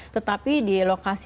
tetapi di lokasi lokasi